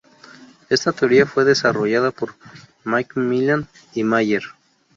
Esta teoría fue desarrollada por McMillan y Mayer.